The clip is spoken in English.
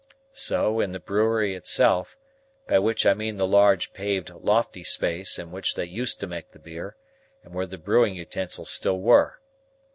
So, in the brewery itself,—by which I mean the large paved lofty place in which they used to make the beer, and where the brewing utensils still were.